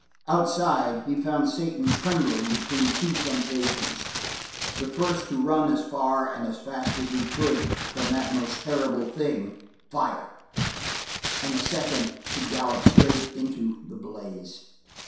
Outside, he found Satan trembling between two temptations, the first to run as far and as fast as he could from that most terrible thing fire; and the second to gallop straight into the blaze.